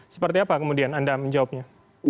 seperti apa kemudian anda menjawabnya